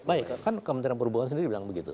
baik kan kementerian perhubungan sendiri bilang begitu